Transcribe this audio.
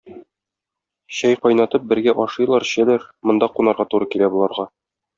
Чәй кайнатып, бергә ашыйлар-эчәләр, монда кунарга туры килә боларга.